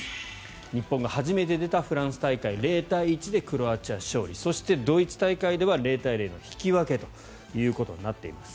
日本が初めて出たフランス大会０対１でクロアチア勝利そしてドイツ大会では０対０の引き分けとなっています。